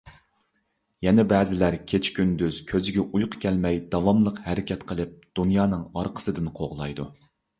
يەنە بەزىلەر كېچە-كۈندۈز كۆزىگە ئۇيقۇ كەلمەي داۋاملىق ھەرىكەت قىلىپ دۇنيانىڭ ئارقىسىدىن قوغلايدۇ.